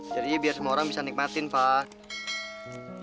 jadi biar semua orang bisa nikmatin fah